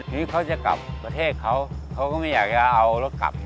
หรือเขาจะกลับประเทศเขาเขาก็ไม่อยากจะเอารถกลับ